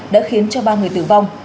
đã khiến cho ba người tử vong